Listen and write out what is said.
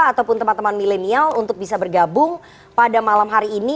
ataupun teman teman milenial untuk bisa bergabung pada malam hari ini